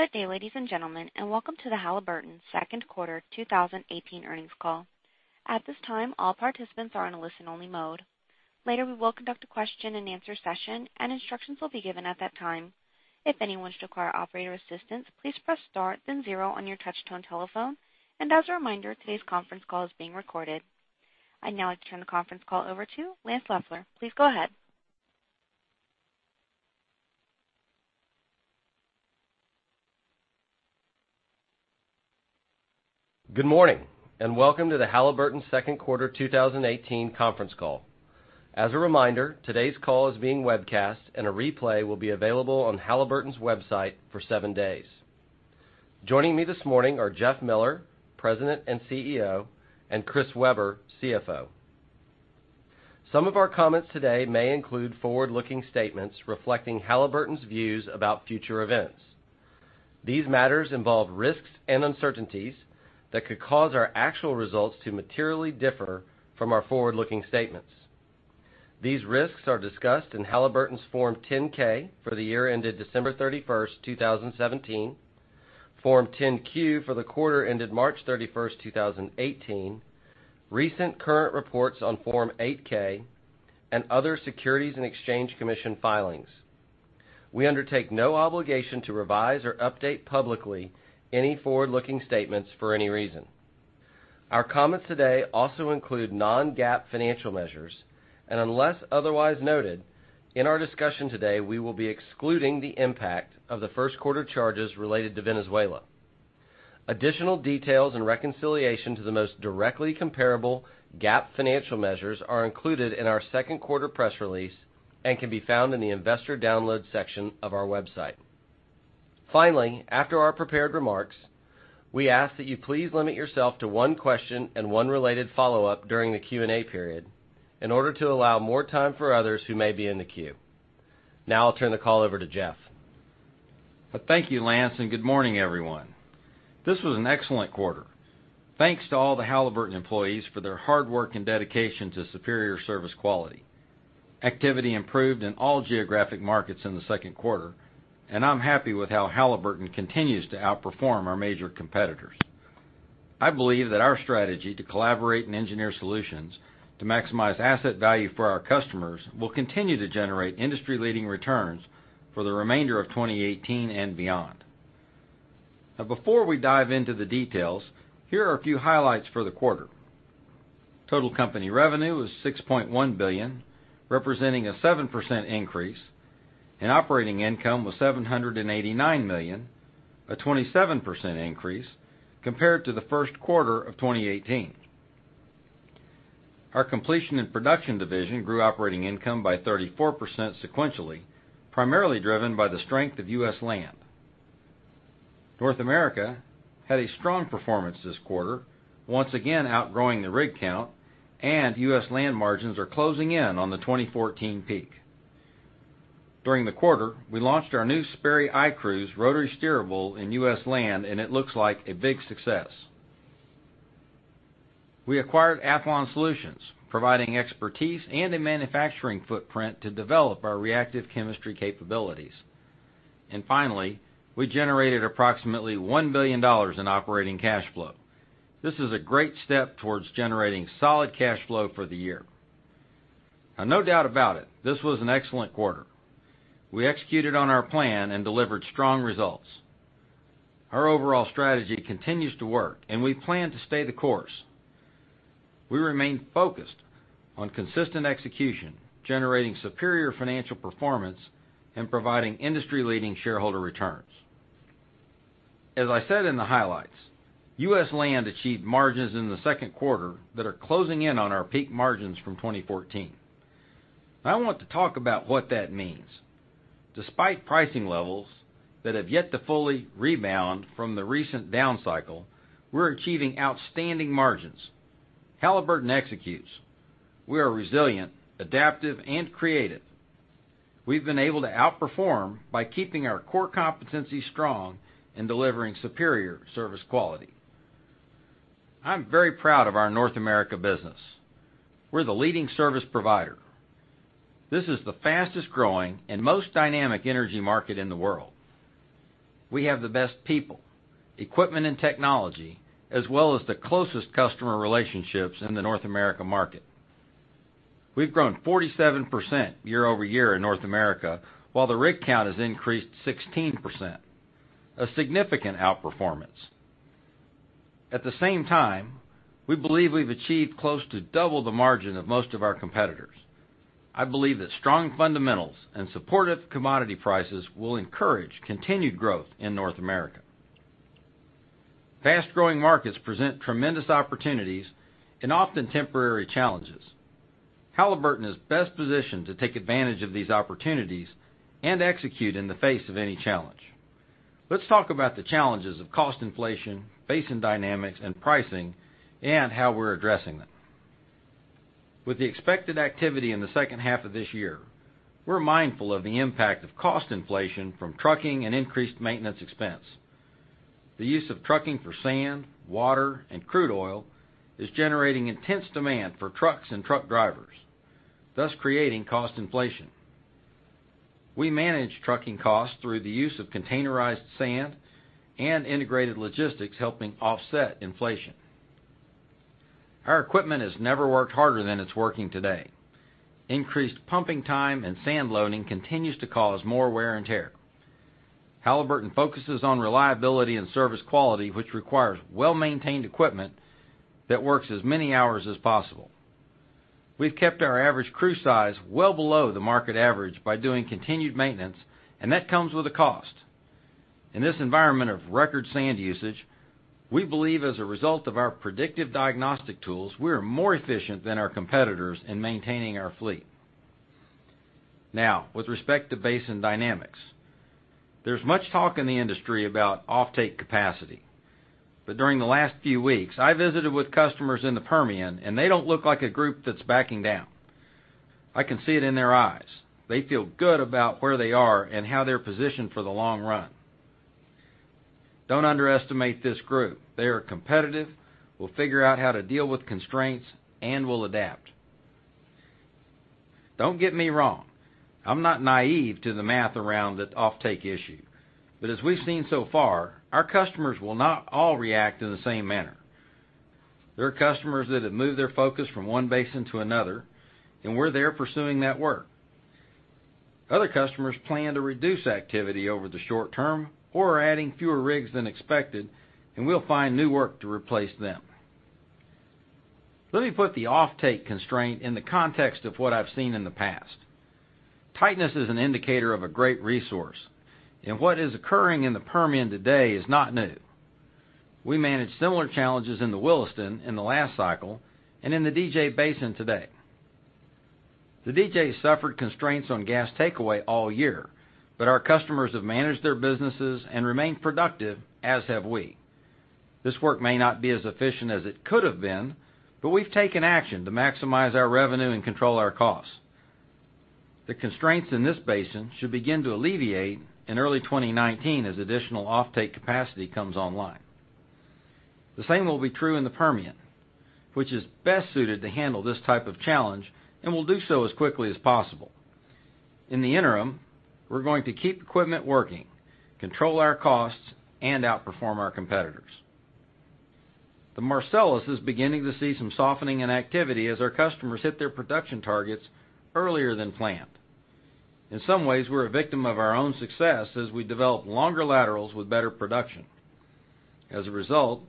Good day, ladies and gentlemen, welcome to the Halliburton second quarter 2018 earnings call. At this time, all participants are in a listen-only mode. Later, we will conduct a question-and-answer session, instructions will be given at that time. If anyone should require operator assistance, please press star then 0 on your touchtone telephone. As a reminder, today's conference call is being recorded. I'd now like to turn the conference call over to Lance Loeffler. Please go ahead. Good morning, welcome to the Halliburton second quarter 2018 conference call. As a reminder, today's call is being webcast, a replay will be available on Halliburton's website for 7 days. Joining me this morning are Jeff Miller, President and CEO, and Chris Weber, CFO. Some of our comments today may include forward-looking statements reflecting Halliburton's views about future events. These matters involve risks and uncertainties that could cause our actual results to materially differ from our forward-looking statements. These risks are discussed in Halliburton's Form 10-K for the year ended December 31st, 2017, Form 10-Q for the quarter ended March 31st, 2018, recent current reports on Form 8-K, and other Securities and Exchange Commission filings. We undertake no obligation to revise or update publicly any forward-looking statements for any reason. Our comments today also include non-GAAP financial measures, unless otherwise noted, in our discussion today, we will be excluding the impact of the first quarter charges related to Venezuela. Additional details and reconciliation to the most directly comparable GAAP financial measures are included in our second quarter press release and can be found in the investor download section of our website. Finally, after our prepared remarks, we ask that you please limit yourself to 1 question and 1 related follow-up during the Q&A period in order to allow more time for others who may be in the queue. Now I'll turn the call over to Jeff. Thank you, Lance, good morning, everyone. This was an excellent quarter. Thanks to all the Halliburton employees for their hard work and dedication to superior service quality. Activity improved in all geographic markets in the second quarter, I'm happy with how Halliburton continues to outperform our major competitors. I believe that our strategy to collaborate and engineer solutions to maximize asset value for our customers will continue to generate industry-leading returns for the remainder of 2018 and beyond. Now, before we dive into the details, here are a few highlights for the quarter. Total company revenue was $6.1 billion, representing a 7% increase, operating income was $789 million, a 27% increase compared to the first quarter of 2018. Our Completion and Production division grew operating income by 34% sequentially, primarily driven by the strength of U.S. land. North America had a strong performance this quarter, once again outgrowing the rig count. U.S. land margins are closing in on the 2014 peak. During the quarter, we launched our new Sperry iCruise rotary steerable in U.S. land. It looks like a big success. We acquired Athlon Solutions, providing expertise and a manufacturing footprint to develop our reactive chemistry capabilities. Finally, we generated approximately $1 billion in operating cash flow. This is a great step towards generating solid cash flow for the year. Now, no doubt about it, this was an excellent quarter. We executed on our plan and delivered strong results. Our overall strategy continues to work. We plan to stay the course. We remain focused on consistent execution, generating superior financial performance, and providing industry-leading shareholder returns. As I said in the highlights, U.S. land achieved margins in the second quarter that are closing in on our peak margins from 2014. I want to talk about what that means. Despite pricing levels that have yet to fully rebound from the recent down cycle, we're achieving outstanding margins. Halliburton executes. We are resilient, adaptive, and creative. We've been able to outperform by keeping our core competencies strong in delivering superior service quality. I'm very proud of our North America business. We're the leading service provider. This is the fastest-growing and most dynamic energy market in the world. We have the best people, equipment, and technology, as well as the closest customer relationships in the North America market. We've grown 47% year-over-year in North America, while the rig count has increased 16%, a significant outperformance. At the same time, we believe we've achieved close to double the margin of most of our competitors. I believe that strong fundamentals and supportive commodity prices will encourage continued growth in North America. Fast-growing markets present tremendous opportunities and often temporary challenges. Halliburton is best positioned to take advantage of these opportunities and execute in the face of any challenge. Let's talk about the challenges of cost inflation, basin dynamics, and pricing. How we're addressing them. With the expected activity in the second half of this year, we're mindful of the impact of cost inflation from trucking and increased maintenance expense. The use of trucking for sand, water, and crude oil is generating intense demand for trucks and truck drivers, thus creating cost inflation. We manage trucking costs through the use of containerized sand and integrated logistics, helping offset inflation. Our equipment has never worked harder than it's working today. Increased pumping time and sand loading continues to cause more wear and tear. Halliburton focuses on reliability and service quality, which requires well-maintained equipment that works as many hours as possible. We've kept our average crew size well below the market average by doing continued maintenance. That comes with a cost. In this environment of record sand usage, we believe as a result of our predictive diagnostic tools, we are more efficient than our competitors in maintaining our fleet. Now, with respect to basin dynamics, there's much talk in the industry about offtake capacity. During the last few weeks, I visited with customers in the Permian. They don't look like a group that's backing down. I can see it in their eyes. They feel good about where they are and how they're positioned for the long run. Don't underestimate this group. They are competitive, will figure out how to deal with constraints, and will adapt. Don't get me wrong, I'm not naive to the math around the offtake issue. As we've seen so far, our customers will not all react in the same manner. There are customers that have moved their focus from one basin to another, and we're there pursuing that work. Other customers plan to reduce activity over the short term or are adding fewer rigs than expected, and we'll find new work to replace them. Let me put the offtake constraint in the context of what I've seen in the past. Tightness is an indicator of a great resource, and what is occurring in the Permian today is not new. We managed similar challenges in the Williston in the last cycle and in the DJ Basin today. The DJ suffered constraints on gas takeaway all year, our customers have managed their businesses and remained productive, as have we. This work may not be as efficient as it could have been, we've taken action to maximize our revenue and control our costs. The constraints in this basin should begin to alleviate in early 2019 as additional offtake capacity comes online. The same will be true in the Permian, which is best suited to handle this type of challenge and will do so as quickly as possible. In the interim, we're going to keep equipment working, control our costs, and outperform our competitors. The Marcellus is beginning to see some softening in activity as our customers hit their production targets earlier than planned. In some ways, we're a victim of our own success as we develop longer laterals with better production. As a result,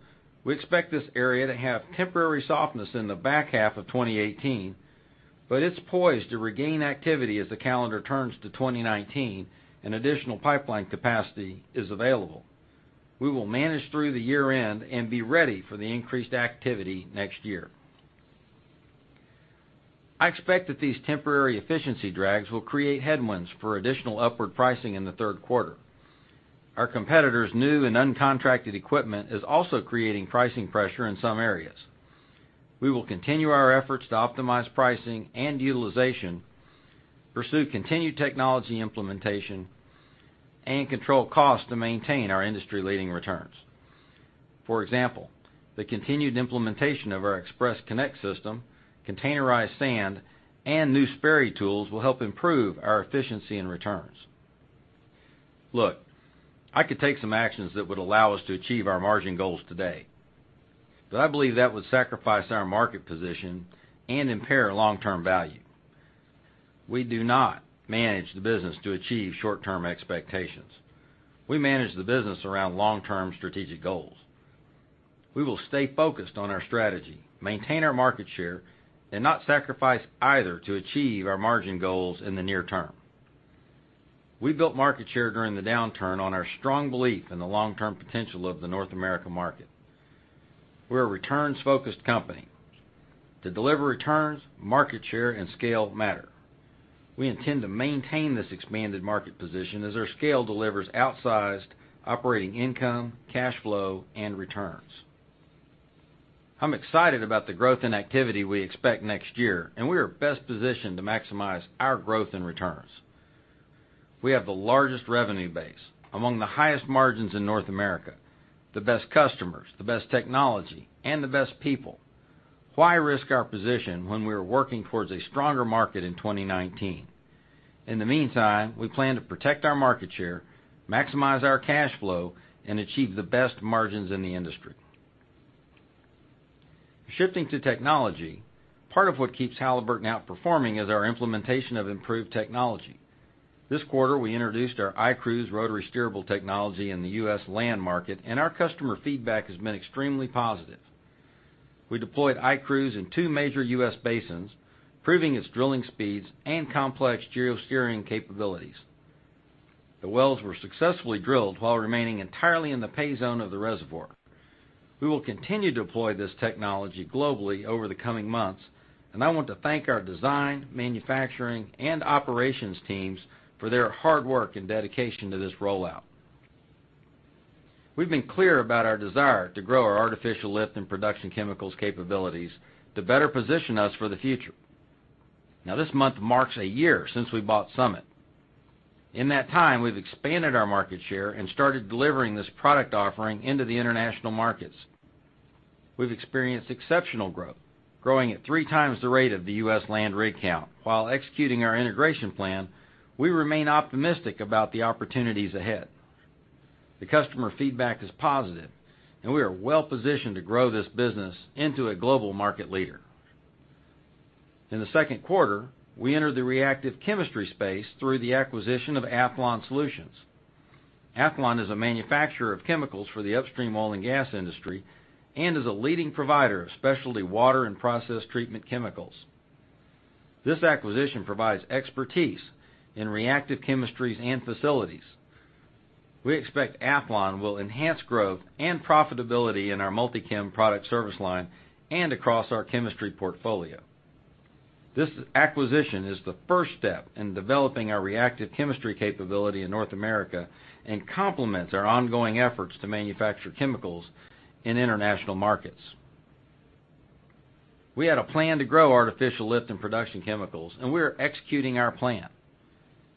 we expect this area to have temporary softness in the back half of 2018, but it's poised to regain activity as the calendar turns to 2019 and additional pipeline capacity is available. We will manage through the year-end and be ready for the increased activity next year. I expect that these temporary efficiency drags will create headwinds for additional upward pricing in the third quarter. Our competitors' new and uncontracted equipment is also creating pricing pressure in some areas. We will continue our efforts to optimize pricing and utilization, pursue continued technology implementation, and control costs to maintain our industry-leading returns. For example, the continued implementation of our ExpressConnect system, containerized sand, and new Sperry tools will help improve our efficiency and returns. Look, I could take some actions that would allow us to achieve our margin goals today. I believe that would sacrifice our market position and impair long-term value. We do not manage the business to achieve short-term expectations. We manage the business around long-term strategic goals. We will stay focused on our strategy, maintain our market share, and not sacrifice either to achieve our margin goals in the near term. We built market share during the downturn on our strong belief in the long-term potential of the North America market. We're a returns-focused company. To deliver returns, market share and scale matter. We intend to maintain this expanded market position as our scale delivers outsized operating income, cash flow, and returns. I'm excited about the growth and activity we expect next year, and we are best positioned to maximize our growth and returns. We have the largest revenue base, among the highest margins in North America, the best customers, the best technology, and the best people. Why risk our position when we are working towards a stronger market in 2019? In the meantime, we plan to protect our market share, maximize our cash flow, and achieve the best margins in the industry. Shifting to technology, part of what keeps Halliburton outperforming is our implementation of improved technology. This quarter, we introduced our iCruise rotary steerable technology in the U.S. land market, and our customer feedback has been extremely positive. We deployed iCruise in two major U.S. basins, proving its drilling speeds and complex geosteering capabilities. The wells were successfully drilled while remaining entirely in the pay zone of the reservoir. We will continue to deploy this technology globally over the coming months, and I want to thank our design, manufacturing, and operations teams for their hard work and dedication to this rollout. We've been clear about our desire to grow our artificial lift and production chemicals capabilities to better position us for the future. This month marks a year since we bought Summit. In that time, we've expanded our market share and started delivering this product offering into the international markets. We've experienced exceptional growth, growing at three times the rate of the U.S. land rig count. While executing our integration plan, we remain optimistic about the opportunities ahead. The customer feedback is positive, and we are well positioned to grow this business into a global market leader. In the second quarter, we entered the reactive chemistry space through the acquisition of Athlon Solutions. Athlon is a manufacturer of chemicals for the upstream oil and gas industry and is a leading provider of specialty water and process treatment chemicals. This acquisition provides expertise in reactive chemistries and facilities. We expect Athlon will enhance growth and profitability in our Multi-Chem product service line and across our chemistry portfolio. This acquisition is the first step in developing our reactive chemistry capability in North America and complements our ongoing efforts to manufacture chemicals in international markets. We had a plan to grow artificial lift and production chemicals, and we are executing our plan.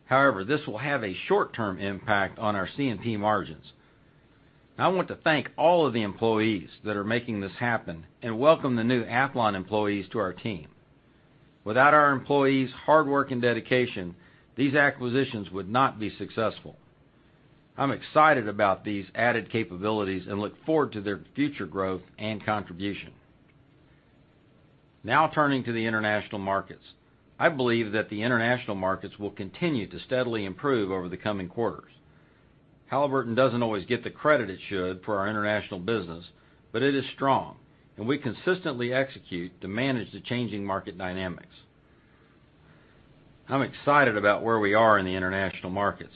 However, this will have a short-term impact on our C&P margins. I want to thank all of the employees that are making this happen and welcome the new Athlon employees to our team. Without our employees' hard work and dedication, these acquisitions would not be successful. I'm excited about these added capabilities and look forward to their future growth and contribution. Turning to the international markets. I believe that the international markets will continue to steadily improve over the coming quarters. Halliburton doesn't always get the credit it should for our international business, it is strong, and we consistently execute to manage the changing market dynamics. I'm excited about where we are in the international markets.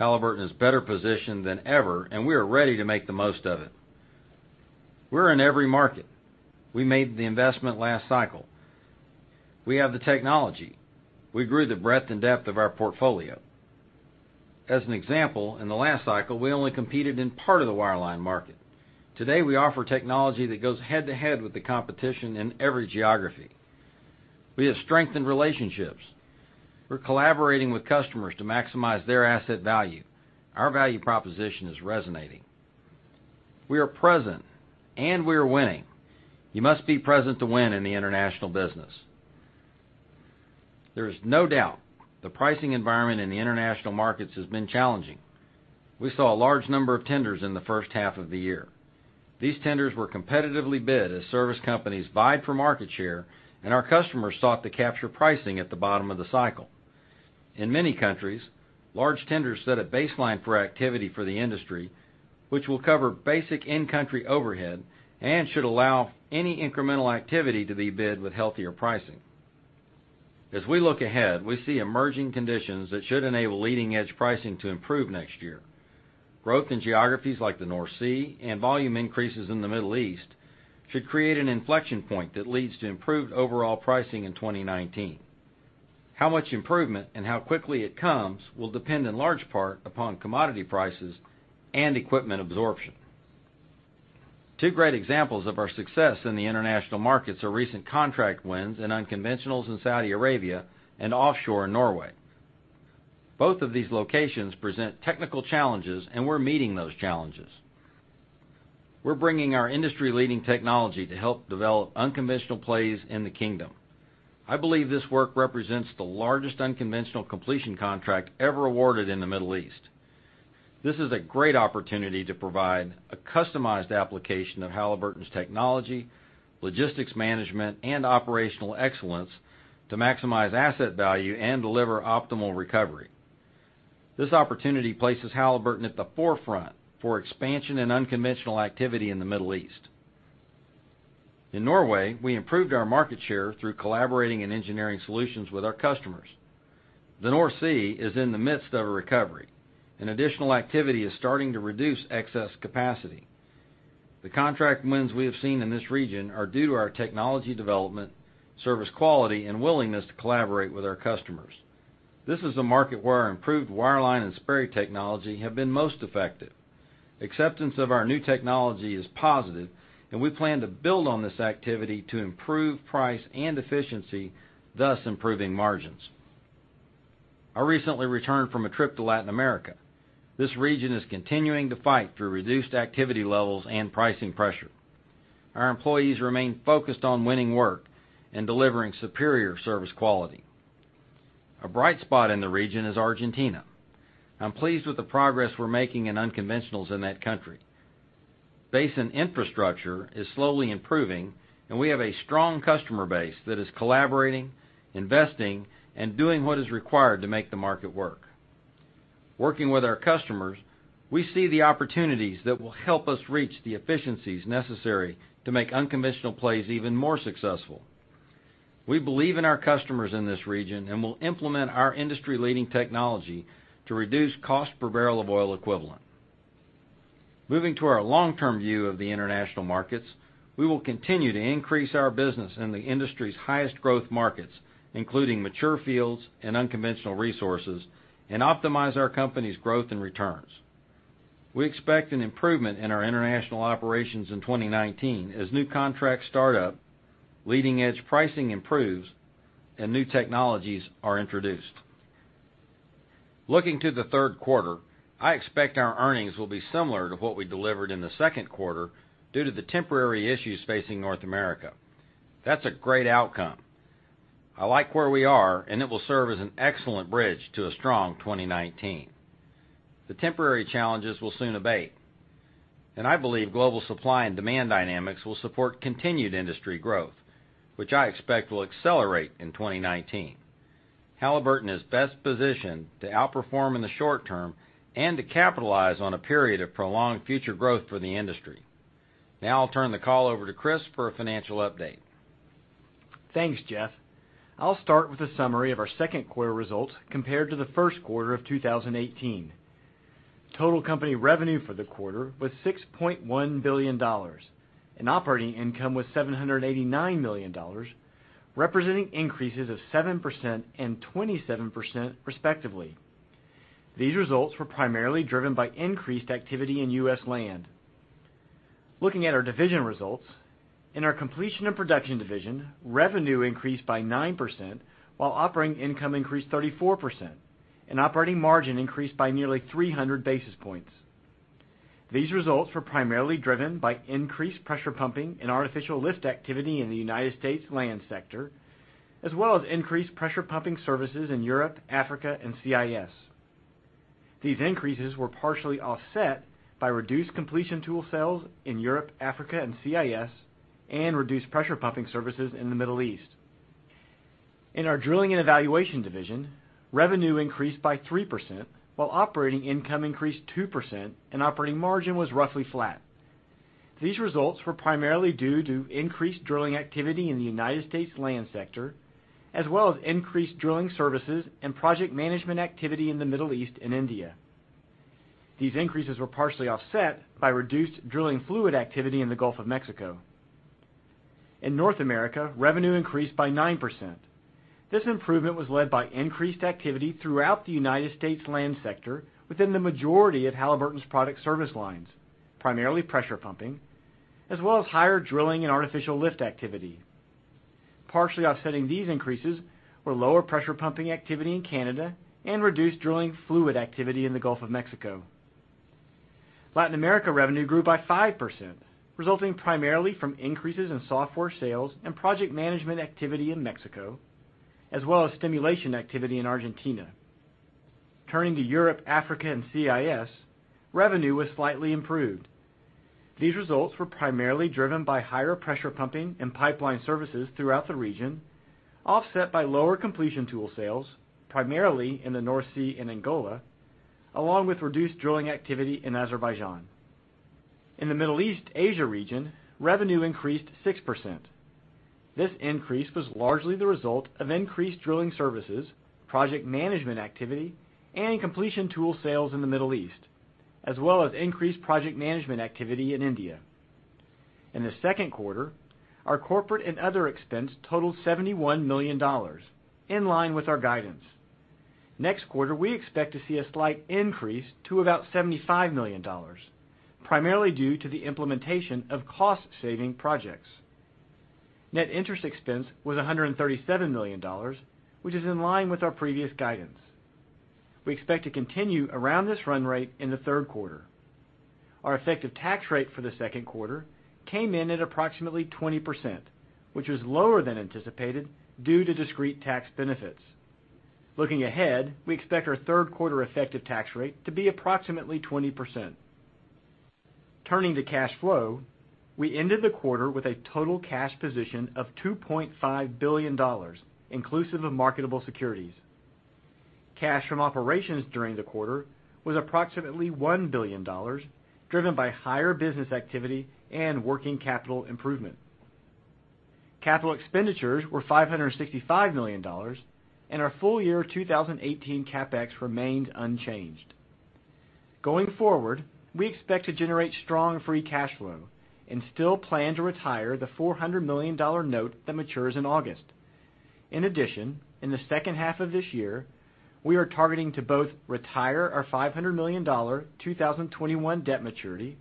Halliburton is better positioned than ever, and we are ready to make the most of it. We're in every market. We made the investment last cycle. We have the technology. We grew the breadth and depth of our portfolio. As an example, in the last cycle, we only competed in part of the wireline market. Today, we offer technology that goes head-to-head with the competition in every geography. We have strengthened relationships. We're collaborating with customers to maximize their asset value. Our value proposition is resonating. We are present, and we are winning. You must be present to win in the international business. There is no doubt the pricing environment in the international markets has been challenging. We saw a large number of tenders in the first half of the year. These tenders were competitively bid as service companies vied for market share and our customers sought to capture pricing at the bottom of the cycle. In many countries, large tenders set a baseline for activity for the industry, which will cover basic in-country overhead and should allow any incremental activity to be bid with healthier pricing. As we look ahead, we see emerging conditions that should enable leading-edge pricing to improve next year. Growth in geographies like the North Sea and volume increases in the Middle East should create an inflection point that leads to improved overall pricing in 2019. How much improvement and how quickly it comes will depend in large part upon commodity prices and equipment absorption. Two great examples of our success in the international markets are recent contract wins in unconventionals in Saudi Arabia and offshore in Norway. Both of these locations present technical challenges, and we're meeting those challenges. We're bringing our industry-leading technology to help develop unconventional plays in the kingdom. I believe this work represents the largest unconventional completion contract ever awarded in the Middle East. This is a great opportunity to provide a customized application of Halliburton's technology, logistics management, and operational excellence to maximize asset value and deliver optimal recovery. This opportunity places Halliburton at the forefront for expansion in unconventional activity in the Middle East. In Norway, we improved our market share through collaborating and engineering solutions with our customers. The North Sea is in the midst of a recovery, and additional activity is starting to reduce excess capacity. The contract wins we have seen in this region are due to our technology development, service quality, and willingness to collaborate with our customers. This is a market where our improved wireline and Sperry technology have been most effective. Acceptance of our new technology is positive, and we plan to build on this activity to improve price and efficiency, thus improving margins. I recently returned from a trip to Latin America. This region is continuing to fight through reduced activity levels and pricing pressure. Our employees remain focused on winning work and delivering superior service quality. A bright spot in the region is Argentina. I'm pleased with the progress we're making in unconventionals in that country. Basin infrastructure is slowly improving, and we have a strong customer base that is collaborating, investing, and doing what is required to make the market work. Working with our customers, we see the opportunities that will help us reach the efficiencies necessary to make unconventional plays even more successful. We believe in our customers in this region and will implement our industry-leading technology to reduce cost per barrel of oil equivalent. Moving to our long-term view of the international markets, we will continue to increase our business in the industry's highest growth markets, including mature fields and unconventional resources, and optimize our company's growth and returns. We expect an improvement in our international operations in 2019 as new contracts start up, leading-edge pricing improves, and new technologies are introduced. Looking to the third quarter, I expect our earnings will be similar to what we delivered in the second quarter due to the temporary issues facing North America. That's a great outcome. I like where we are, and it will serve as an excellent bridge to a strong 2019. The temporary challenges will soon abate, and I believe global supply and demand dynamics will support continued industry growth, which I expect will accelerate in 2019. Halliburton is best positioned to outperform in the short term and to capitalize on a period of prolonged future growth for the industry. Now I'll turn the call over to Chris for a financial update. Thanks, Jeff. I'll start with a summary of our second quarter results compared to the first quarter of 2018. Total company revenue for the quarter was $6.1 billion, and operating income was $789 million, representing increases of 7% and 27%, respectively. These results were primarily driven by increased activity in U.S. land. Looking at our division results, in our Completion and Production division, revenue increased by 9%, while operating income increased 34%, and operating margin increased by nearly 300 basis points. These results were primarily driven by increased pressure pumping and artificial lift activity in the United States land sector, as well as increased pressure pumping services in Europe, Africa, and CIS. These increases were partially offset by reduced completion tool sales in Europe, Africa, and CIS and reduced pressure pumping services in the Middle East. In our Drilling and Evaluation division, revenue increased by 3%, while operating income increased 2%, and operating margin was roughly flat. These results were primarily due to increased drilling activity in the United States land sector, as well as increased drilling services and project management activity in the Middle East and India. These increases were partially offset by reduced drilling fluid activity in the Gulf of Mexico. In North America, revenue increased by 9%. This improvement was led by increased activity throughout the United States land sector within the majority of Halliburton's product service lines, primarily pressure pumping, as well as higher drilling and artificial lift activity. Partially offsetting these increases were lower pressure pumping activity in Canada and reduced drilling fluid activity in the Gulf of Mexico. Latin America revenue grew by 5%, resulting primarily from increases in software sales and project management activity in Mexico, as well as stimulation activity in Argentina. Turning to Europe, Africa, and CIS, revenue was slightly improved. These results were primarily driven by higher pressure pumping and pipeline services throughout the region, offset by lower completion tool sales, primarily in the North Sea and Angola, along with reduced drilling activity in Azerbaijan. In the Middle East/Asia region, revenue increased 6%. This increase was largely the result of increased drilling services, project management activity, and completion tool sales in the Middle East, as well as increased project management activity in India. In the second quarter, our corporate and other expense totaled $71 million, in line with our guidance. Next quarter, we expect to see a slight increase to about $75 million, primarily due to the implementation of cost-saving projects. Net interest expense was $137 million, which is in line with our previous guidance. We expect to continue around this run rate in the third quarter. Our effective tax rate for the second quarter came in at approximately 20%, which was lower than anticipated due to discrete tax benefits. Looking ahead, we expect our third quarter effective tax rate to be approximately 20%. Turning to cash flow, we ended the quarter with a total cash position of $2.5 billion, inclusive of marketable securities. Cash from operations during the quarter was approximately $1 billion, driven by higher business activity and working capital improvement. Capital expenditures were $565 million, and our full year 2018 CapEx remained unchanged. Going forward, we expect to generate strong free cash flow and still plan to retire the $400 million note that matures in August. In addition, in the second half of this year, we are targeting to both retire our $500 million 2021 debt maturity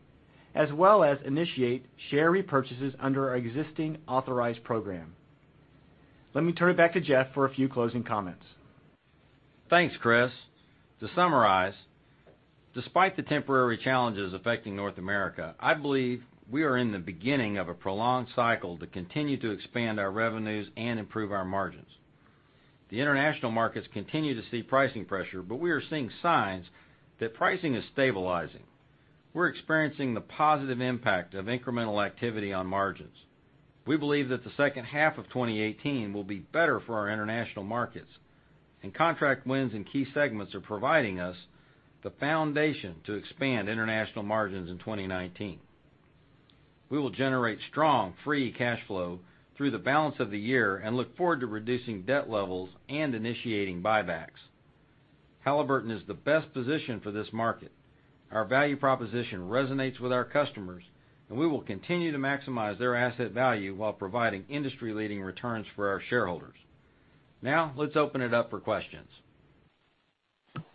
as well as initiate share repurchases under our existing authorized program. Let me turn it back to Jeff for a few closing comments. Thanks, Chris. To summarize, despite the temporary challenges affecting North America, I believe we are in the beginning of a prolonged cycle to continue to expand our revenues and improve our margins. The international markets continue to see pricing pressure, but we are seeing signs that pricing is stabilizing. We're experiencing the positive impact of incremental activity on margins. We believe that the second half of 2018 will be better for our international markets, and contract wins in key segments are providing us the foundation to expand international margins in 2019. We will generate strong free cash flow through the balance of the year and look forward to reducing debt levels and initiating buybacks. Halliburton is the best position for this market. Our value proposition resonates with our customers, and we will continue to maximize their asset value while providing industry-leading returns for our shareholders. Let's open it up for questions.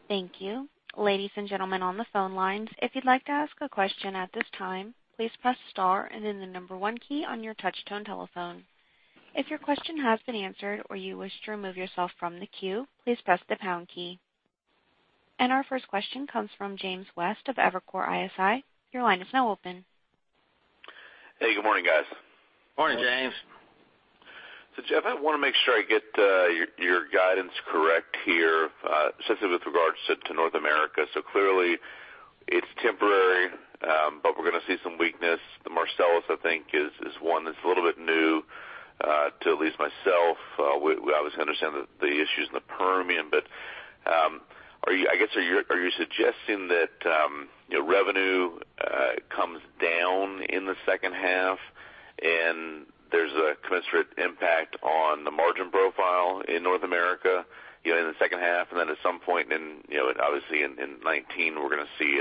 Thank you. Ladies and gentlemen on the phone lines, if you'd like to ask a question at this time, please press star and then the 1 key on your touch-tone telephone. If your question has been answered or you wish to remove yourself from the queue, please press the pound key. Our first question comes from James West of Evercore ISI. Your line is now open. Hey, good morning, guys. Morning, James. Jeff, I want to make sure I get your guidance correct here, especially with regards to North America. Clearly it's temporary, but we're going to see some weakness. The Marcellus, I think is one that's a little bit new, to at least myself. We obviously understand the issues in the Permian, I guess are you suggesting that revenue comes down in the second half, and there's a commensurate impact on the margin profile in North America in the second half, and then at some point, obviously in 2019, we're going to see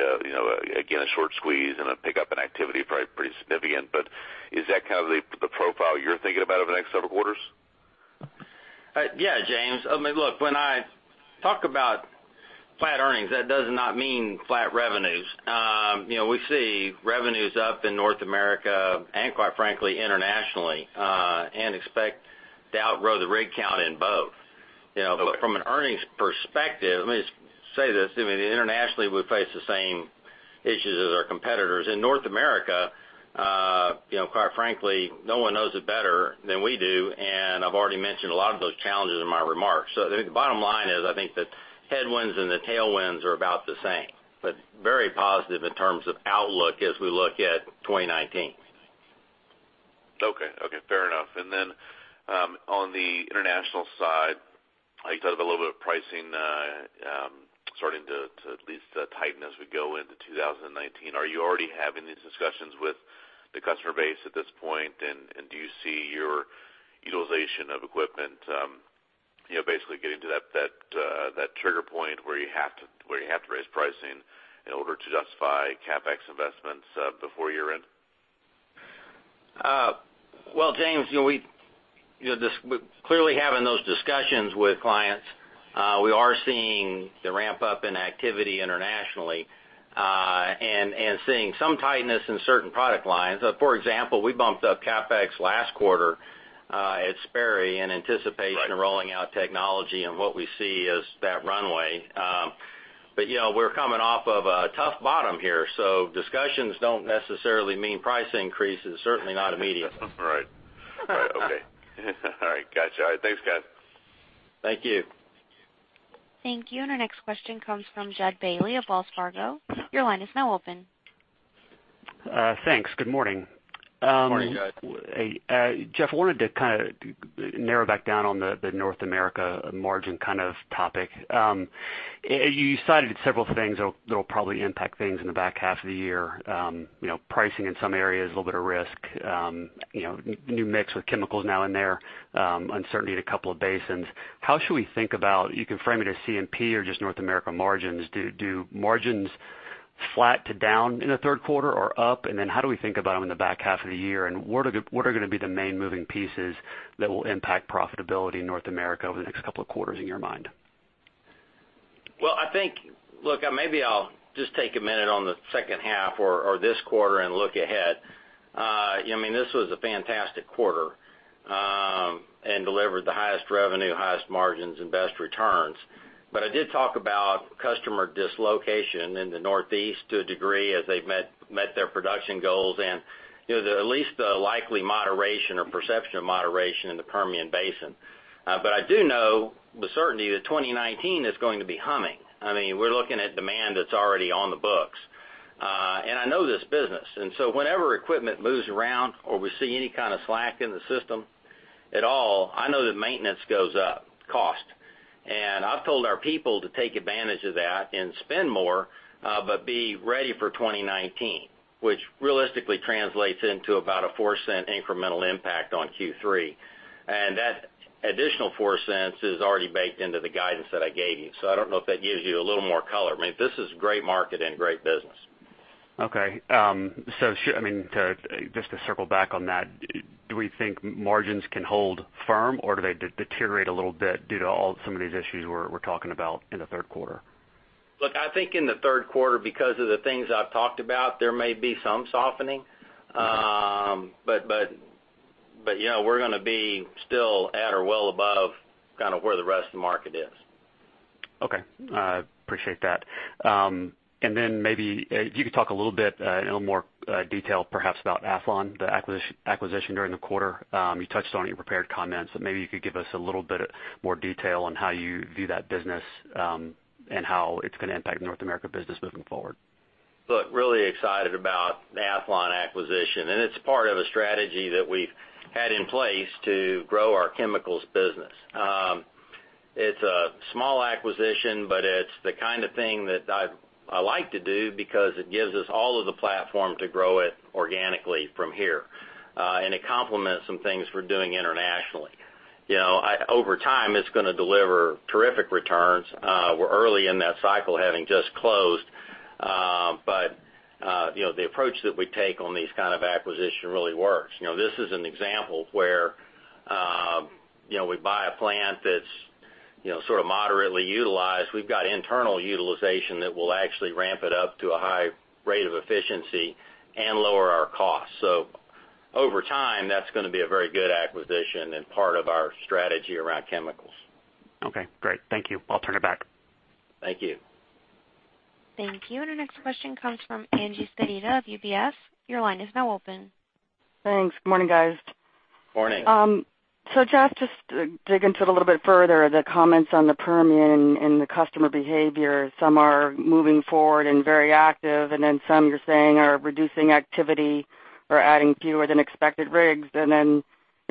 again, a short squeeze and a pickup in activity, probably pretty significant. Is that kind of the profile you're thinking about over the next several quarters? Yeah, James. Look, when I talk about flat earnings, that does not mean flat revenues. We see revenues up in North America and quite frankly, internationally, and expect to outgrow the rig count in both. From an earnings perspective, let me just say this, internationally, we face the same issues as our competitors. In North America, quite frankly, no one knows it better than we do, and I've already mentioned a lot of those challenges in my remarks. I think the bottom line is, I think the headwinds and the tailwinds are about the same, but very positive in terms of outlook as we look at 2019. Okay. Fair enough. On the international side, you talked about a little bit of pricing starting to at least tighten as we go into 2019. Are you already having these discussions with the customer base at this point, and do you see your utilization of equipment basically getting to that trigger point where you have to raise pricing in order to justify CapEx investments before year-end? Well, James, clearly having those discussions with clients, we are seeing the ramp up in activity internationally, and seeing some tightness in certain product lines. For example, we bumped up CapEx last quarter at Sperry in anticipation of rolling out technology, and what we see is that runway. We're coming off of a tough bottom here, discussions don't necessarily mean price increases, certainly not immediately. Right. Okay. All right, got you. All right. Thanks, guys. Thank you. Thank you. Our next question comes from Jud Bailey of Wells Fargo. Your line is now open. Thanks. Good morning. Morning, Jud. Jeff, I wanted to kind of narrow back down on the North America margin kind of topic. You cited several things that will probably impact things in the back half of the year. Pricing in some areas, a little bit of risk. New mix with chemicals now in there. Uncertainty in a couple of basins. You can frame it as C&P or just North America margins. Do margins flat to down in the third quarter, or up? Then how do we think about them in the back half of the year, and what are going to be the main moving pieces that will impact profitability in North America over the next couple of quarters, in your mind? Look, maybe I will just take a minute on the second half or this quarter and look ahead. This was a fantastic quarter, delivered the highest revenue, highest margins, and best returns. I did talk about customer dislocation in the Northeast to a degree as they have met their production goals and at least the likely moderation or perception of moderation in the Permian Basin. I do know with certainty that 2019 is going to be humming. We are looking at demand that is already on the books. I know this business, so whenever equipment moves around or we see any kind of slack in the system at all, I know that maintenance goes up, cost. I have told our people to take advantage of that and spend more, but be ready for 2019, which realistically translates into about a $0.04 incremental impact on Q3. That additional $0.04 is already baked into the guidance that I gave you. I do not know if that gives you a little more color. This is great market and great business. Okay. Just to circle back on that, do we think margins can hold firm, or do they deteriorate a little bit due to some of these issues we are talking about in the third quarter? Look, I think in the third quarter, because of the things I've talked about, there may be some softening. Okay. We're going to be still at or well above kind of where the rest of the market is. Okay. Appreciate that. Then maybe if you could talk a little bit in a little more detail perhaps about Athlon, the acquisition during the quarter. You touched on it in your prepared comments, but maybe you could give us a little bit more detail on how you view that business, and how it's going to impact North America business moving forward. Look, really excited about the Athlon acquisition, and it's part of a strategy that we've had in place to grow our chemicals business. It's a small acquisition, it's the kind of thing that I like to do because it gives us all of the platform to grow it organically from here. It complements some things we're doing internationally. Over time, it's going to deliver terrific returns. We're early in that cycle, having just closed The approach that we take on these kind of acquisition really works. This is an example where we buy a plant that's sort of moderately utilized. We've got internal utilization that will actually ramp it up to a high rate of efficiency and lower our costs. Over time, that's going to be a very good acquisition and part of our strategy around chemicals. Okay, great. Thank you. I'll turn it back. Thank you. Thank you. Our next question comes from Angeline Sedita of UBS. Your line is now open. Thanks. Good morning, guys. Morning. Jeff, just to dig into it a little bit further, the comments on the Permian and the customer behavior. Some are moving forward and very active, then some you're saying are reducing activity or adding fewer than expected rigs. Maybe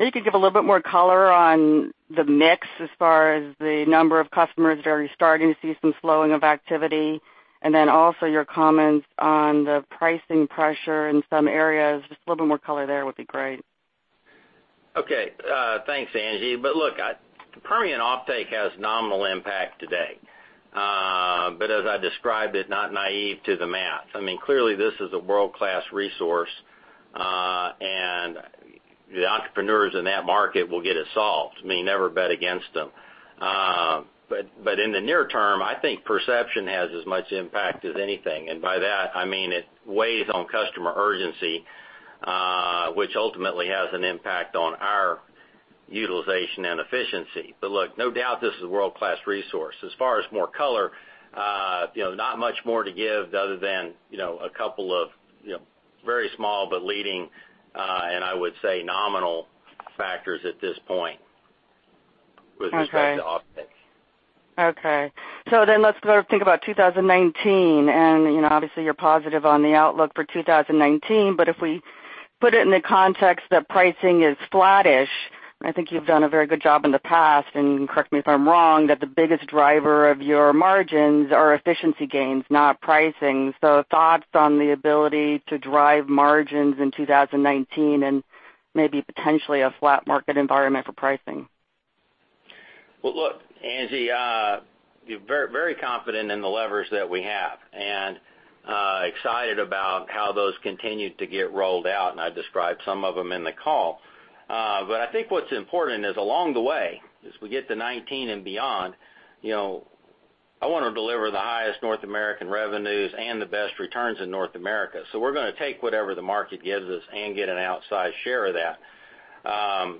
you could give a little bit more color on the mix as far as the number of customers that are starting to see some slowing of activity. Also your comments on the pricing pressure in some areas. Just a little bit more color there would be great. Okay. Thanks, Angie. Look, the Permian offtake has nominal impact today. As I described it, not naive to the math. Clearly this is a world-class resource, and the entrepreneurs in that market will get it solved. Never bet against them. In the near term, I think perception has as much impact as anything, and by that, I mean it weighs on customer urgency, which ultimately has an impact on our utilization and efficiency. Look, no doubt this is a world-class resource. As far as more color, not much more to give other than a couple of very small but leading, and I would say nominal factors at this point with respect to offtake. Let's go think about 2019. Obviously you're positive on the outlook for 2019, but if we put it in the context that pricing is flattish, I think you've done a very good job in the past, and correct me if I'm wrong, that the biggest driver of your margins are efficiency gains, not pricing. Thoughts on the ability to drive margins in 2019 and maybe potentially a flat market environment for pricing. Well look, Angie, very confident in the levers that we have and excited about how those continue to get rolled out, and I described some of them in the call. I think what's important is along the way, as we get to 2019 and beyond, I want to deliver the highest North American revenues and the best returns in North America. We're going to take whatever the market gives us and get an outsized share of that.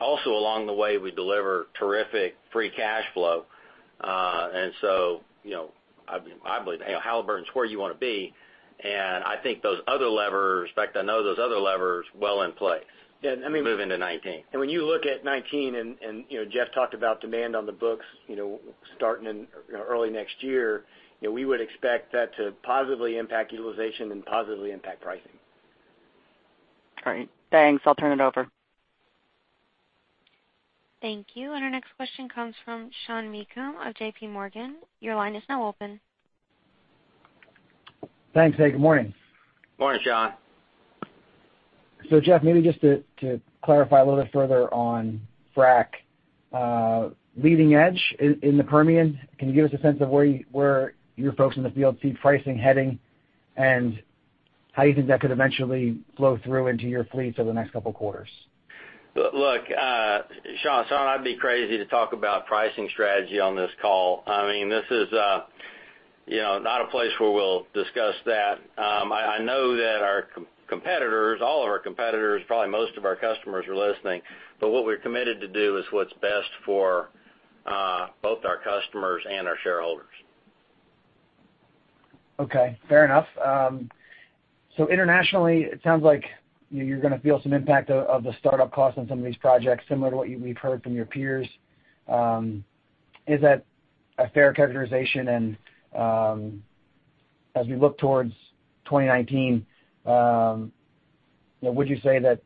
Also along the way, we deliver terrific free cash flow. I believe Halliburton's where you want to be, and I think those other levers, in fact, I know those other levers well in play moving to 2019. When you look at 2019, and Jeff talked about demand on the books starting in early next year, we would expect that to positively impact utilization and positively impact pricing. Great. Thanks. I'll turn it over. Thank you. Our next question comes from Sean Meakim of J.P. Morgan. Your line is now open. Thanks. Hey, good morning. Morning, Sean. Jeff, maybe just to clarify a little bit further on frac. Leading edge in the Permian, can you give us a sense of where your folks in the field see pricing heading and how you think that could eventually flow through into your fleets over the next couple quarters? Look, Sean, I'd be crazy to talk about pricing strategy on this call. This is not a place where we'll discuss that. I know that our competitors, all of our competitors, probably most of our customers are listening. What we're committed to do is what's best for both our customers and our shareholders. Okay. Fair enough. Internationally, it sounds like you're going to feel some impact of the startup costs on some of these projects, similar to what we've heard from your peers. Is that a fair characterization? As we look towards 2019, would you say that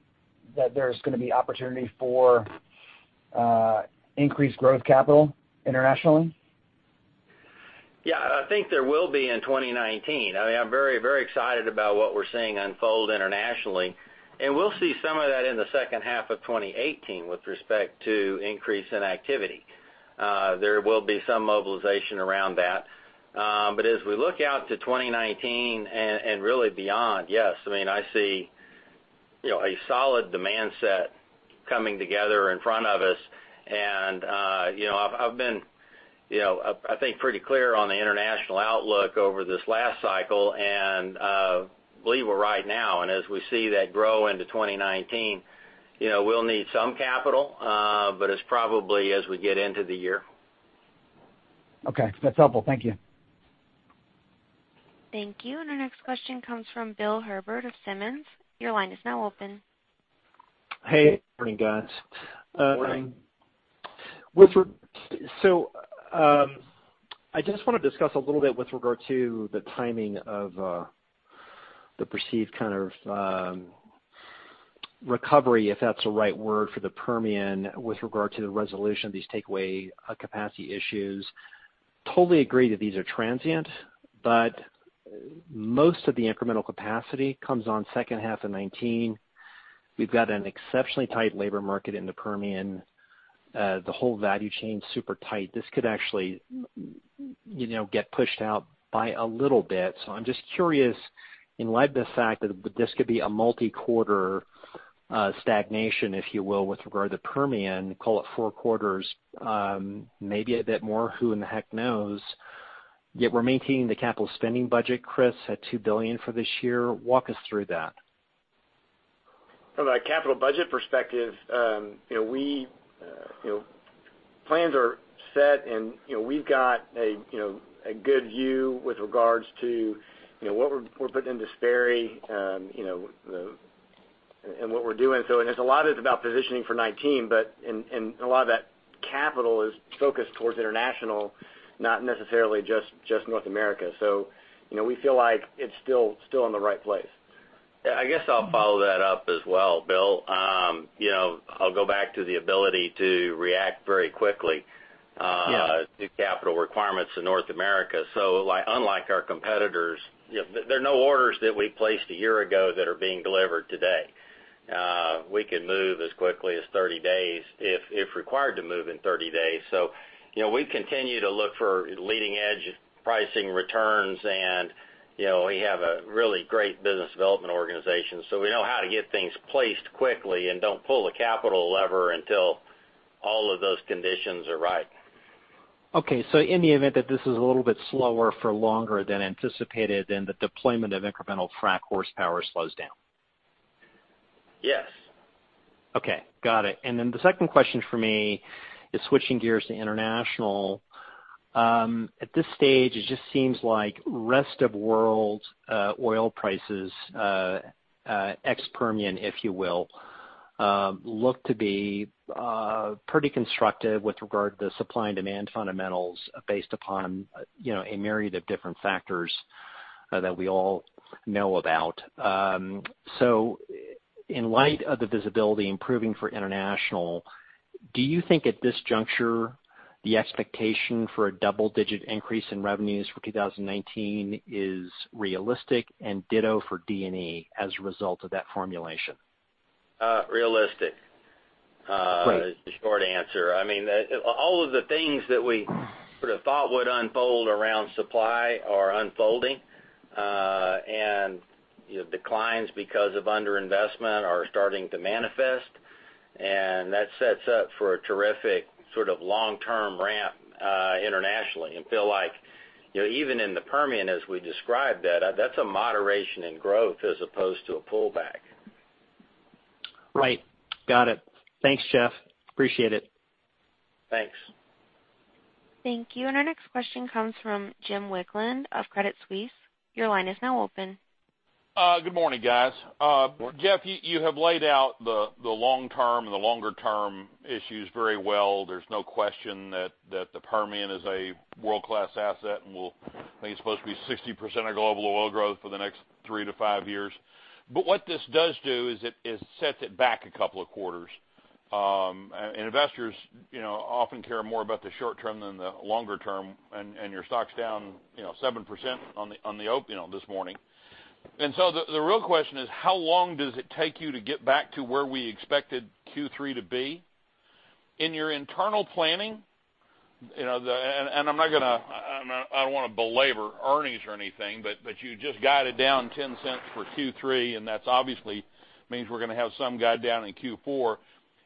there's going to be opportunity for increased growth capital internationally? Yeah, I think there will be in 2019. I'm very excited about what we're seeing unfold internationally, we'll see some of that in the second half of 2018 with respect to increase in activity. There will be some mobilization around that. As we look out to 2019 and really beyond, yes, I see a solid demand set coming together in front of us, and I've been, I think, pretty clear on the international outlook over this last cycle, and I believe we're right now. As we see that grow into 2019, we'll need some capital, but it's probably as we get into the year. Okay. That's helpful. Thank you. Thank you. Our next question comes from Bill Herbert of Simmons. Your line is now open. Hey. Morning, guys. Morning. I just want to discuss a little bit with regard to the timing of the perceived kind of recovery, if that's the right word for the Permian, with regard to the resolution of these takeaway capacity issues. Totally agree that these are transient, but most of the incremental capacity comes on second half of 2019. We've got an exceptionally tight labor market in the Permian. The whole value chain's super tight. This could actually get pushed out by a little bit. I'm just curious, in light of the fact that this could be a multi-quarter stagnation, if you will, with regard to Permian, call it four quarters, maybe a bit more, who in the heck knows? Yet we're maintaining the capital spending budget, Chris, at $2 billion for this year. Walk us through that. From a capital budget perspective, plans are set, we've got a good view with regards to what we're putting into Sperry, what we're doing. A lot of it's about positioning for 2019, a lot of that capital is focused towards international, not necessarily just North America. We feel like it's still in the right place. I guess I'll follow that up as well, Bill. I'll go back to the ability to react very quickly- Yes To capital requirements in North America. Unlike our competitors, there are no orders that we placed a year ago that are being delivered today. We can move as quickly as 30 days if required to move in 30 days. We continue to look for leading-edge pricing returns, we have a really great business development organization. We know how to get things placed quickly and don't pull the capital lever until all of those conditions are right. Okay. In the event that this is a little bit slower for longer than anticipated, then the deployment of incremental frac horsepower slows down. Yes. Okay. Got it. The second question from me is switching gears to international. At this stage, it just seems like rest of world oil prices, ex-Permian, if you will, look to be pretty constructive with regard to the supply and demand fundamentals based upon a myriad of different factors that we all know about. In light of the visibility improving for international, do you think at this juncture, the expectation for a double-digit increase in revenues for 2019 is realistic, and ditto for D&E as a result of that formulation? Realistic. Great. Is the short answer. All of the things that we sort of thought would unfold around supply are unfolding. Declines because of underinvestment are starting to manifest, and that sets up for a terrific sort of long-term ramp internationally. Feel like, even in the Permian, as we described that's a moderation in growth as opposed to a pullback. Right. Got it. Thanks, Jeff. Appreciate it. Thanks. Thank you. Our next question comes from Jim Wicklund of Credit Suisse. Your line is now open. Good morning, guys. Morning. Jeff, you have laid out the long term and the longer term issues very well. There's no question that the Permian is a world-class asset, I think it's supposed to be 60% of global oil growth for the next three to five years. What this does do is it sets it back a couple of quarters. Investors often care more about the short term than the longer term, your stock's down 7% on the open this morning. The real question is how long does it take you to get back to where we expected Q3 to be? In your internal planning, I don't want to belabor earnings or anything, you just guided down $0.10 for Q3, that's obviously means we're going to have some guide down in Q4.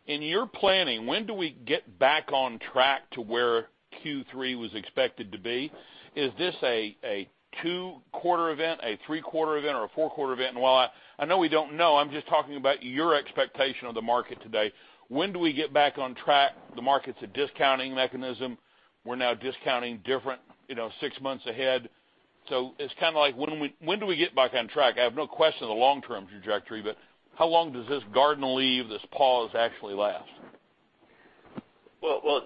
In your planning, when do we get back on track to where Q3 was expected to be? Is this a two-quarter event, a three-quarter event, or a four-quarter event? While I know we don't know, I'm just talking about your expectation of the market today. When do we get back on track? The market's a discounting mechanism. We're now discounting different six months ahead. It's kind of like when do we get back on track? I have no question on the long-term trajectory, how long does this garden leave, this pause actually last? Well,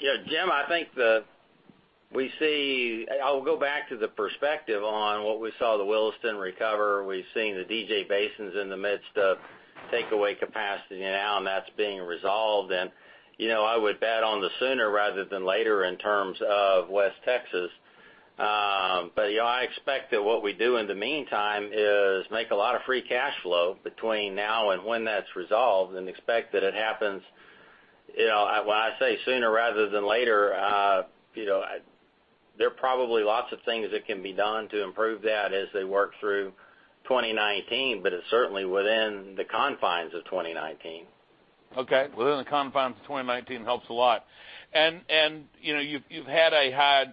Jim, I think that we see I'll go back to the perspective on what we saw the Williston recover. We've seen the DJ basins in the midst of takeaway capacity now, that's being resolved. I would bet on the sooner rather than later in terms of West Texas. I expect that what we do in the meantime is make a lot of free cash flow between now and when that's resolved and expect that it happens. When I say sooner rather than later, there are probably lots of things that can be done to improve that as they work through 2019, it's certainly within the confines of 2019. Okay. Within the confines of 2019 helps a lot. You've had a high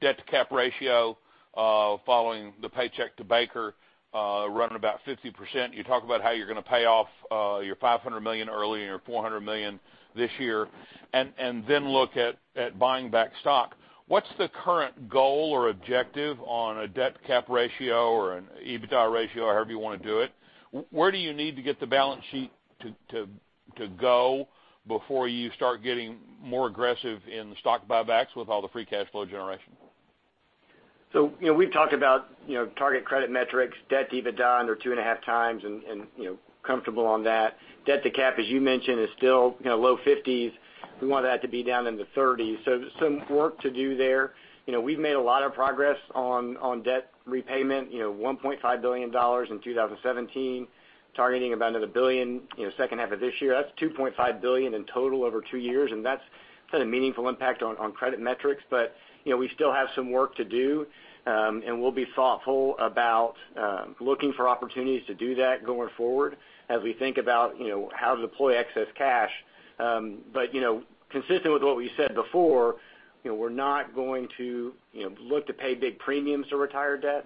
debt-to-Cap ratio following the paycheck to Baker running about 50%. You talk about how you're going to pay off your $500 million early and your $400 million this year, and then look at buying back stock. What's the current goal or objective on a debt-to-Cap ratio or an EBITDA ratio, however you want to do it? Where do you need to get the balance sheet to go before you start getting more aggressive in the stock buybacks with all the free cash flow generation? We've talked about target credit metrics, debt to EBITDA under 2.5 times, and comfortable on that. Debt to Cap, as you mentioned, is still low 50s. We want that to be down in the 30s. Some work to do there. We've made a lot of progress on debt repayment, $1.5 billion in 2017, targeting about another $1 billion second half of this year. That's $2.5 billion in total over two years, and that's had a meaningful impact on credit metrics. We still have some work to do, and we'll be thoughtful about looking for opportunities to do that going forward as we think about how to deploy excess cash. Consistent with what we said before, we're not going to look to pay big premiums to retire debt.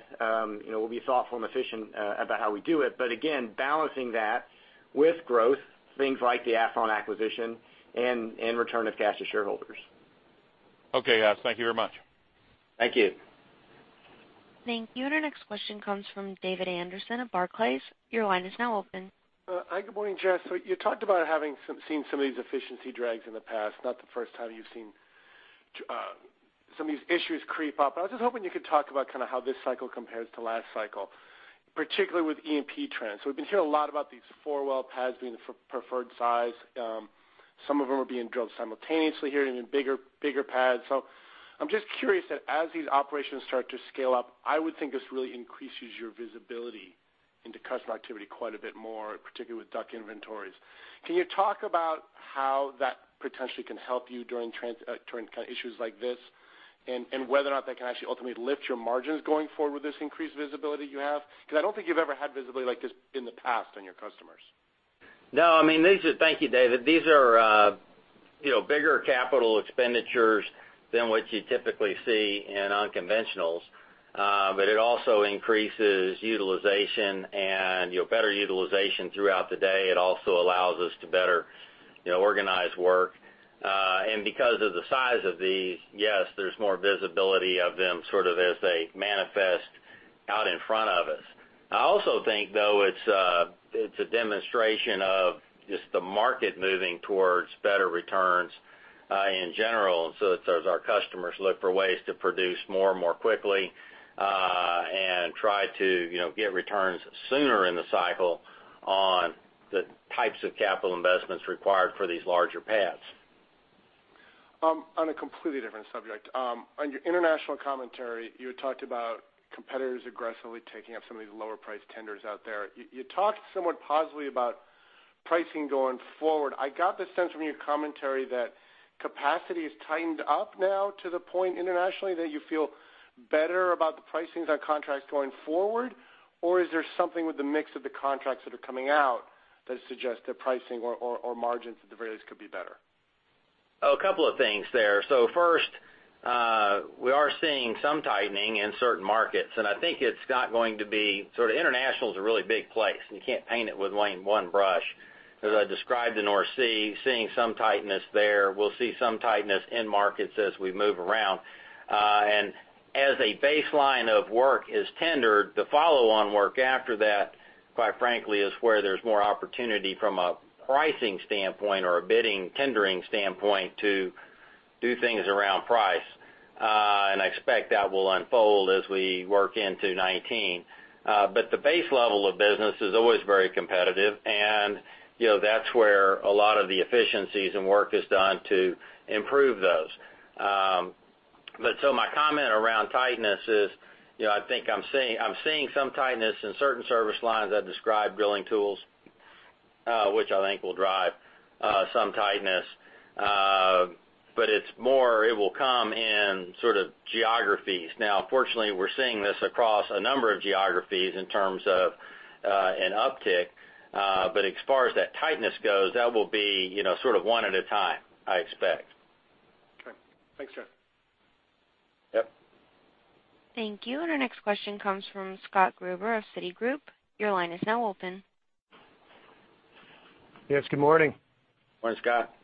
We'll be thoughtful and efficient about how we do it. Again, balancing that with growth, things like the Athlon acquisition and return of cash to shareholders. Okay, guys. Thank you very much. Thank you. Thank you. Our next question comes from David Anderson of Barclays. Your line is now open. Hi, good morning, Jeff. You talked about having seen some of these efficiency drags in the past, not the first time you've seen some of these issues creep up. I was just hoping you could talk about how this cycle compares to last cycle, particularly with E&P trends. We've been hearing a lot about these four-well pads being the preferred size. Some of them are being drilled simultaneously here and in bigger pads. I'm just curious that as these operations start to scale up, I would think this really increases your visibility into customer activity quite a bit more, particularly with DUC inventories. Can you talk about how that potentially can help you during issues like this, and whether or not that can actually ultimately lift your margins going forward with this increased visibility you have? I don't think you've ever had visibility like this in the past on your customers. No, thank you, David. These are bigger CapEx than what you typically see in unconventionals. It also increases utilization and better utilization throughout the day. It also allows us to better organize work. Because of the size of these, yes, there's more visibility of them sort of as they manifest out in front of us. I also think, though, it's a demonstration of just the market moving towards better returns, in general. As our customers look for ways to produce more and more quickly, and try to get returns sooner in the cycle on the types of capital investments required for these larger pads. On a completely different subject. On your international commentary, you had talked about competitors aggressively taking up some of these lower-priced tenders out there. You talked somewhat positively about pricing going forward. I got the sense from your commentary that capacity has tightened up now to the point internationally that you feel better about the pricing of that contracts going forward, or is there something with the mix of the contracts that are coming out that suggest that pricing or margins at the very least could be better? A couple of things there. First, we are seeing some tightening in certain markets, and I think it's not going to be sort of international's a really big place, and you can't paint it with one brush. As I described the North Sea, seeing some tightness there. We'll see some tightness in markets as we move around. As a baseline of work is tendered, the follow-on work after that, quite frankly, is where there's more opportunity from a pricing standpoint or a bidding, tendering standpoint to do things around price. I expect that will unfold as we work into 2019. The base level of business is always very competitive, and that's where a lot of the efficiencies and work is done to improve those. My comment around tightness is I'm seeing some tightness in certain service lines. I described drilling tools, which I think will drive some tightness. It will come in sort of geographies. Fortunately, we're seeing this across a number of geographies in terms of an uptick. As far as that tightness goes, that will be sort of one at a time, I expect. Okay. Thanks, Jeff. Yep. Thank you. Our next question comes from Scott Gruber of Citigroup. Your line is now open. Yes, good morning. Morning, Scott.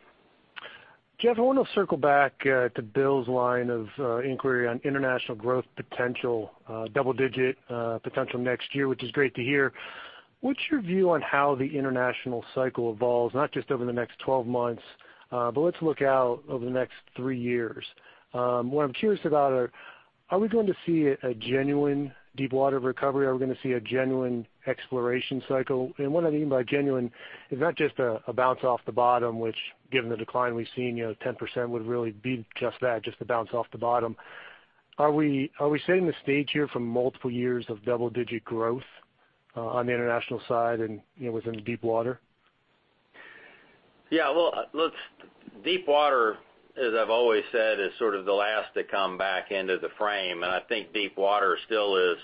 Jeff, I want to circle back to Bill's line of inquiry on international growth potential, double-digit potential next year, which is great to hear. What's your view on how the international cycle evolves, not just over the next 12 months, but let's look out over the next three years. What I'm curious about are we going to see a genuine deepwater recovery? Are we going to see a genuine exploration cycle? What I mean by genuine is not just a bounce off the bottom, which given the decline we've seen, 10% would really be just that, just a bounce off the bottom. Are we setting the stage here for multiple years of double-digit growth on the international side and within deepwater? Yeah. Well, deepwater, as I've always said, is sort of the last to come back into the frame, and I think deepwater still is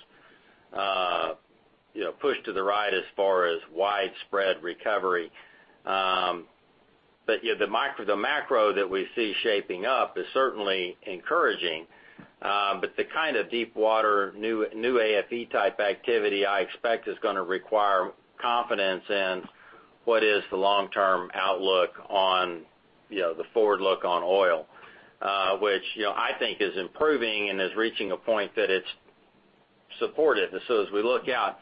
pushed to the right as far as widespread recovery. The macro that we see shaping up is certainly encouraging. The kind of deepwater new AFE type activity, I expect is going to require confidence in what is the long-term outlook on the forward look on oil, which I think is improving and is reaching a point that it's supported. As we look out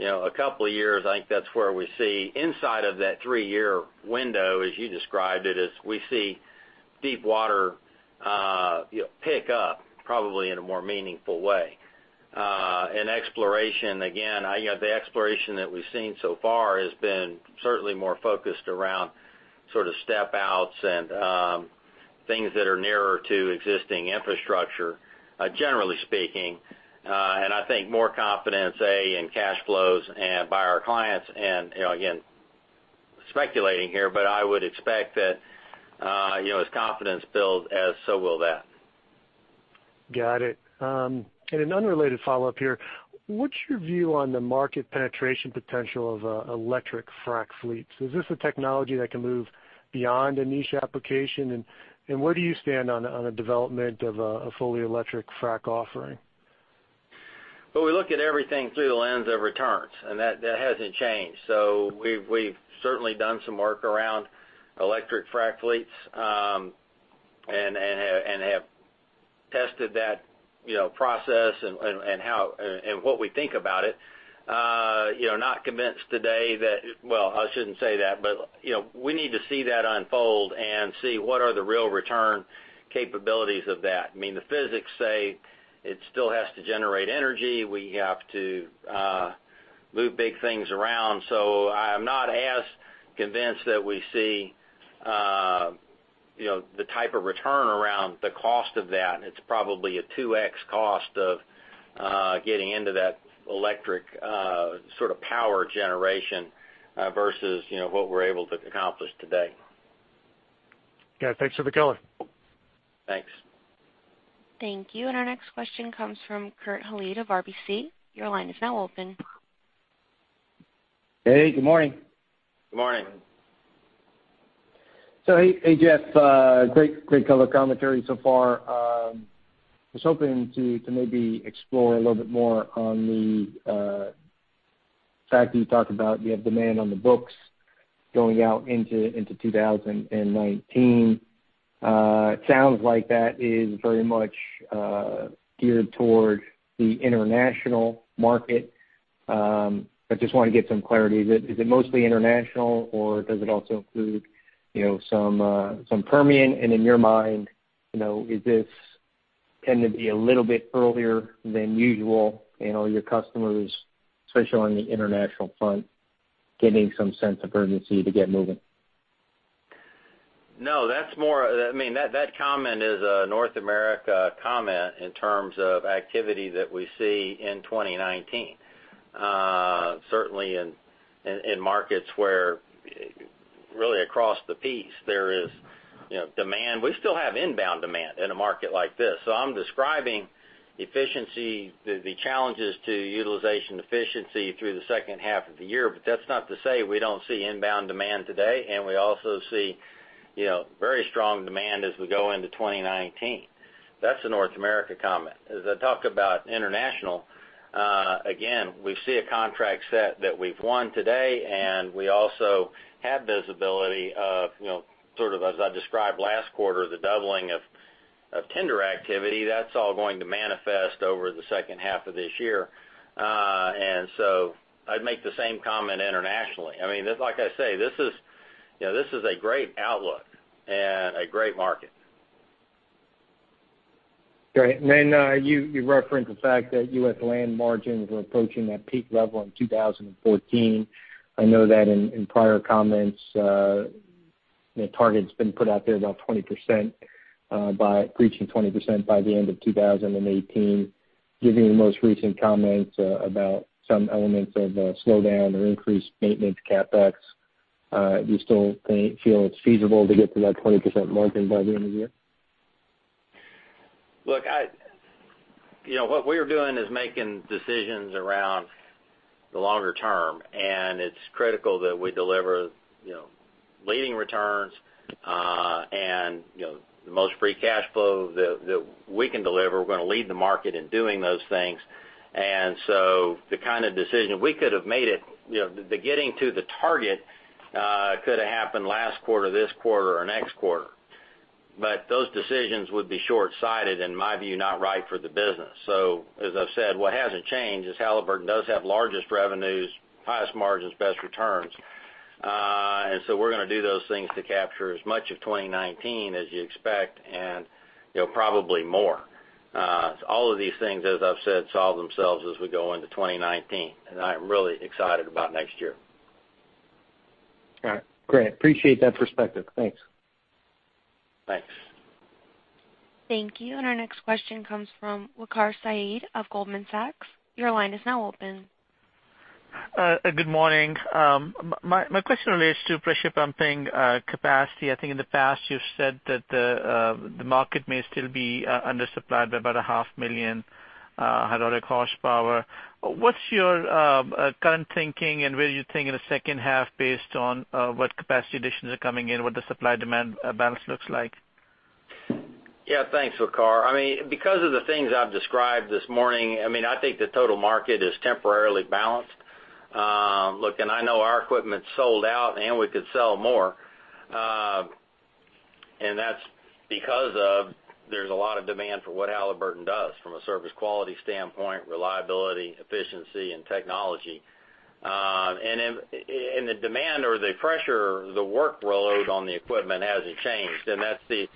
a couple of years, I think that's where we see inside of that three-year window, as you described it, as we see deepwater pick up probably in a more meaningful way. Exploration, again, the exploration that we've seen so far has been certainly more focused around step outs and things that are nearer to existing infrastructure, generally speaking. I think more confidence, A, in cash flows and by our clients, and again, speculating here, but I would expect that as confidence builds, so will that. Got it. An unrelated follow-up here. What's your view on the market penetration potential of electric frac fleets? Is this a technology that can move beyond a niche application? Where do you stand on the development of a fully electric frac offering? Well, we look at everything through the lens of returns, and that hasn't changed. We've certainly done some work around electric frac fleets, and have tested that process and what we think about it. Not convinced today that, well, I shouldn't say that, but we need to see that unfold and see what are the real return capabilities of that. The physics say it still has to generate energy. We have to move big things around. I'm not as convinced that we see the type of return around the cost of that, and it's probably a 2X cost of getting into that electric sort of power generation versus what we're able to accomplish today. Yeah. Thanks for the color. Thanks. Thank you. Our next question comes from Kurt Hallead of RBC. Your line is now open. Hey, good morning. Good morning. Hey, Jeff. Great color commentary so far. I was hoping to maybe explore a little bit more on the fact that you talk about you have demand on the books going out into 2019. It sounds like that is very much geared toward the international market. I just want to get some clarity. Is it mostly international or does it also include some Permian? In your mind, is this tend to be a little bit earlier than usual, your customers, especially on the international front, getting some sense of urgency to get moving? No. That comment is a North America comment in terms of activity that we see in 2019. Certainly in markets where really across the piece, there is demand. We still have inbound demand in a market like this. I'm describing the challenges to utilization efficiency through the second half of the year. That's not to say we don't see inbound demand today, and we also see very strong demand as we go into 2019. That's the North America comment. I talk about international, again, we see a contract set that we've won today, and we also have visibility of, sort of as I described last quarter, the doubling of tender activity. That's all going to manifest over the second half of this year. I'd make the same comment internationally. Like I say, this is a great outlook and a great market. Great. You referenced the fact that U.S. land margins are approaching that peak level in 2014. I know that in prior comments, the target's been put out there about 20%, by reaching 20% by the end of 2018. Given your most recent comments about some elements of a slowdown or increased maintenance CapEx, do you still feel it's feasible to get to that 20% margin by the end of the year? Look, what we're doing is making decisions around the longer term, and it's critical that we deliver leading returns, the most free cash flow that we can deliver. We're going to lead the market in doing those things. The kind of decision, the getting to the target could have happened last quarter, this quarter, or next quarter. Those decisions would be shortsighted, in my view, not right for the business. As I've said, what hasn't changed is Halliburton does have largest revenues, highest margins, best returns. We're going to do those things to capture as much of 2019 as you expect, and probably more. All of these things, as I've said, solve themselves as we go into 2019, and I'm really excited about next year. All right. Great. Appreciate that perspective. Thanks. Thanks. Thank you. Our next question comes from Waqar Syed of Goldman Sachs. Your line is now open. Good morning. My question relates to pressure pumping capacity. I think in the past you've said that the market may still be undersupplied by about 500,000 hydraulic horsepower. What's your current thinking and where you think in the second half based on what capacity additions are coming in, what the supply-demand balance looks like? Yeah. Thanks, Waqar. Because of the things I've described this morning, I think the total market is temporarily balanced. Look, I know our equipment's sold out, and we could sell more. That's because of there's a lot of demand for what Halliburton does from a service quality standpoint, reliability, efficiency, and technology. The demand or the pressure, the workload on the equipment hasn't changed. It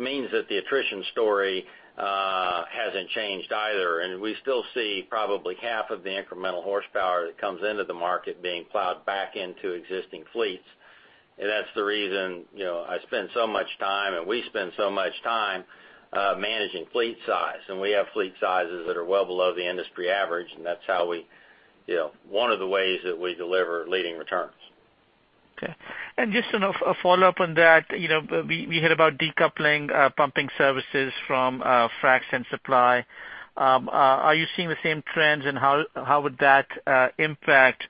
means that the attrition story hasn't changed either, and we still see probably half of the incremental horsepower that comes into the market being plowed back into existing fleets. That's the reason I spend so much time, and we spend so much time managing fleet size. We have fleet sizes that are well below the industry average, and that's one of the ways that we deliver leading returns. Okay. Just a follow-up on that. We heard about decoupling pumping services from fracs and supply. Are you seeing the same trends, and how would that impact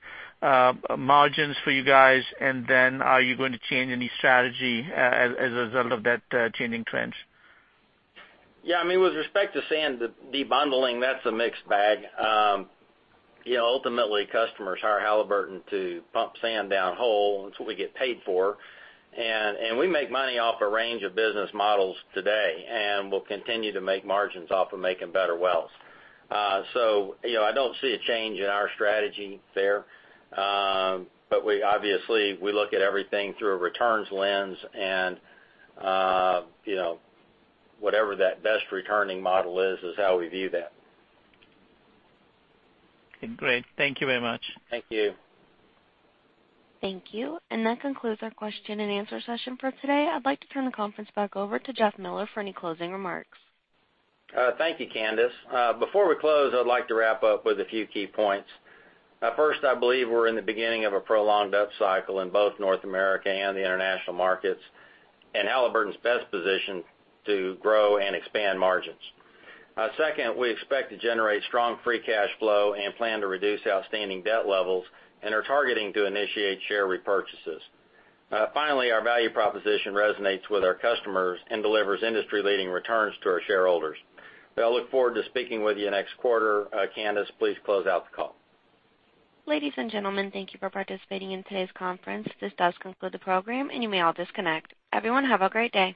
margins for you guys? Are you going to change any strategy as a result of that changing trends? Yeah. With respect to sand, the debundling, that's a mixed bag. Ultimately, customers hire Halliburton to pump sand down hole. That's what we get paid for. We make money off a range of business models today, and we'll continue to make margins off of making better wells. I don't see a change in our strategy there. Obviously, we look at everything through a returns lens, and whatever that best returning model is how we view that. Okay, great. Thank you very much. Thank you. Thank you. That concludes our question and answer session for today. I'd like to turn the conference back over to Jeff Miller for any closing remarks. Thank you, Candice. Before we close, I would like to wrap up with a few key points. First, I believe we're in the beginning of a prolonged up cycle in both North America and the international markets, and Halliburton's best positioned to grow and expand margins. Second, we expect to generate strong free cash flow and plan to reduce outstanding debt levels and are targeting to initiate share repurchases. Finally, our value proposition resonates with our customers and delivers industry-leading returns to our shareholders. I look forward to speaking with you next quarter. Candice, please close out the call. Ladies and gentlemen, thank you for participating in today's conference. This does conclude the program, and you may all disconnect. Everyone, have a great day.